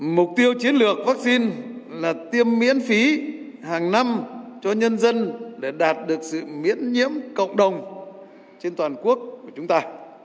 mục tiêu chiến lược vaccine là tiêm miễn phí hàng năm cho nhân dân để đạt được sự miễn nhiễm cộng đồng trên toàn quốc của chúng ta